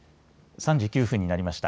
３時９分になりました。